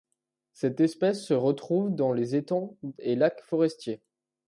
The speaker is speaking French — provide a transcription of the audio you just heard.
Cette espèce se retrouve dans les étangs et lacs forestiers.